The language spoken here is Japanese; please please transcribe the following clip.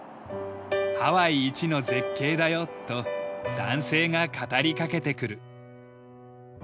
「ハワイ一の絶景だよ」と男性が語りかけてくる。